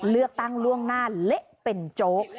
เลือกตั้งล่วงหน้าเละเป็นโจ๊ก